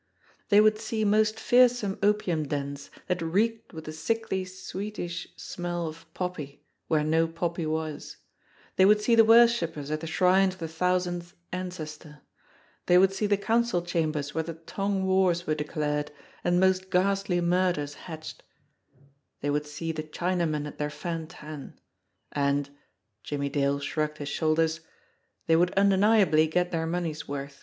They would see most fearsome opium dens that reeked with the sickly sweetish smell of poppy, where no poppy was ; they would see the worshippers at the Shrine of the Thousandth Ancestor; they would see the council chambers where the Tong wars were declared, and most ghastly murders hatched; they would see the China men at their fan tan; and Jimmie Dale shrugged his shoulders they would undeniably get their money's worth.